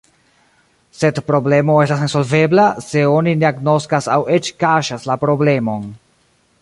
Sed problemo estas nesolvebla, se oni ne agnoskas aŭ eĉ kaŝas la problemon.